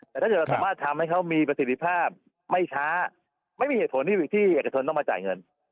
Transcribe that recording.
แต่ถ้าเกิดเราสามารถทำให้เขามีประสิทธิภาพไม่ช้าไม่มีเหตุผลที่เอกชนต้องมาจ่ายเงิน